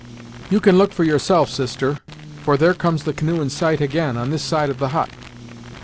"You can look for yourself, sister, for there comes the canoe in sight, again, on this side of the hut."